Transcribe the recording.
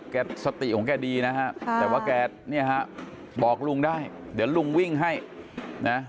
สติของแกดีนะฮะแต่ว่าแกเนี่ยฮะบอกลุงได้เดี๋ยวลุงวิ่งให้นะ